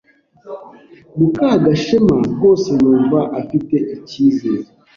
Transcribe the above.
Mukagashema rwose yumva afite ikizere.